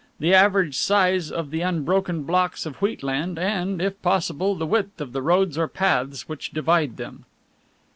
the average size of the unbroken blocks of wheatland and, if possible, the width of the roads or paths which divide them."